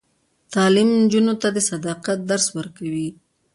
تعلیم نجونو ته د صداقت درس ورکوي.